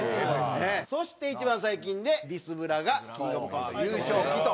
そして一番最近でビスブラがキングオブコント優勝期と。